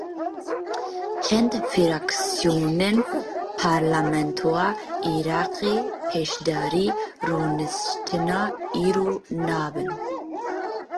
Çend firaksiyonên parlamentoya Iraqê beşdarî rûniştina îro nabin.